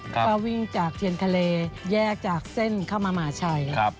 ก็วิ่งจากเทียนทะเลแยกจากเส้นเข้ามามหาชัย